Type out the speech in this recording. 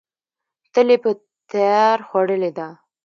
تل یې په تیار خوړلې ده.